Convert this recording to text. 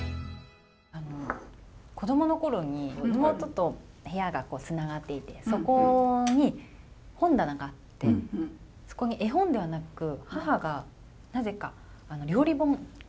子どもの頃に妹と部屋がつながっていてそこに本棚があってそこに絵本ではなく母がなぜか料理本を置いてたんですよ。